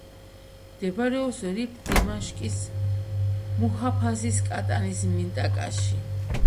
მდებარეობს რიფ-დიმაშკის მუჰაფაზის კატანის მინტაკაში.